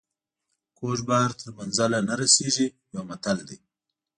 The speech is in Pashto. کوږ بار تر منزله نه رسیږي یو متل دی.